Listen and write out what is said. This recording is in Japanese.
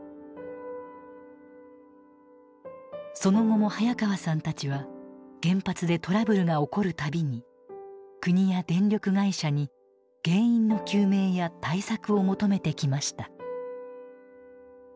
その後も早川さんたちは原発でトラブルが起こる度に国や電力会社に原因の究明や対策を求めてきました。